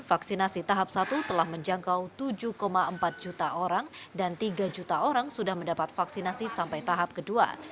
vaksinasi tahap satu telah menjangkau tujuh empat juta orang dan tiga juta orang sudah mendapat vaksinasi sampai tahap kedua